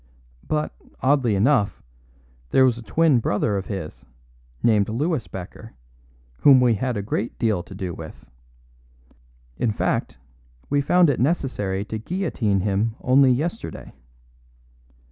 But, oddly enough, there was a twin brother of his, named Louis Becker, whom we had a great deal to do with. In fact, we found it necessary to guillotine him only yesterday.